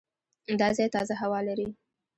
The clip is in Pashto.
دا ځای تازه هوا لري.